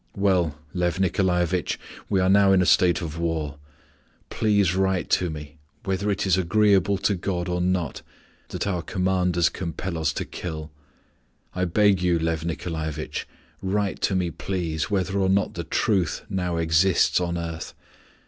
Well, Lyof Nikolaevitch, we are now in a state of war, please write to me whether it is agreeable to God or not that our commanders compel us to kill. I beg you, Lyof Nikolaevitch, write to me please whether or not the truth now exists on earth.